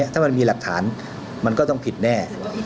ถ้ามันมีหลักฐานมันก็ต้องผิดแน่